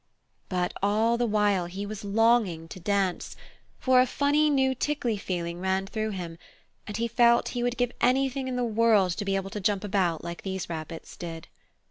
But all the while he was longing to dance, for a funny new tickly feeling ran through him, and he felt he would give anything in the world to be able to jump about like these rabbits did.